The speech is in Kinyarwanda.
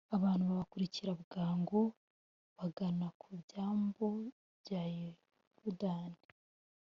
abantu babakurikira bwangu bagana ku byambu bya yorudan.